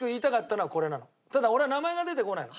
ただ俺は名前が出てこない。